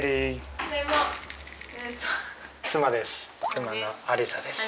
妻です。